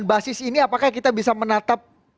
jadi di situ apakah kita bisa menatap